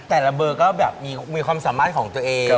แต่ละเบอร์ก็แบบมีความสามารถของตัวเอง